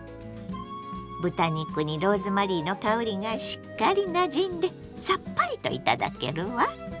豚肉にローズマリーの香りがしっかりなじんでさっぱりといただけるわ。